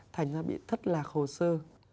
thành ra bị thất lạc hồ sơ